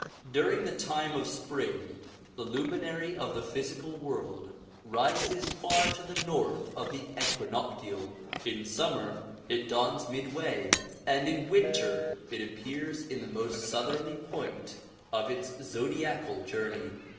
During the time of spring the luminary of the physical world rises far to the north of the equinoctial ; in summer it dawns midway and in winter it appears in the most southerly point of its zodiacal .journey.